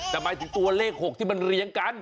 แต่หมายถึงตัวเลข๖ที่มันเรียงกัน